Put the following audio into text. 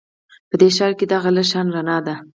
په دې ښار کې دغه لږه شان رڼا ده